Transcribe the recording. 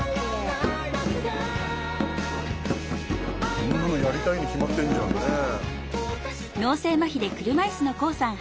こんなのやりたいに決まってんじゃんねえ。